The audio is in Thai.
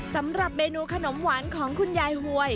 สำหรับเมนูขนมหวานของคุณยายหวย